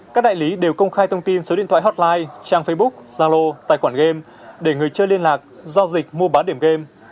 các đại lý đều công khai thông tin số điện thoại hotline trang facebook zalo tài khoản game để người chơi liên lạc giao dịch mua bán điểm game